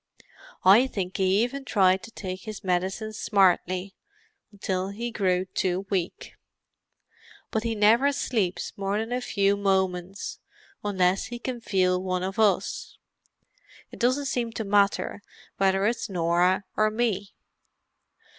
I think he even tried to take his medicine smartly—until he grew too weak. But he never sleeps more than a few moments unless he can feel one of us; it doesn't seem to matter whether it's Norah or me."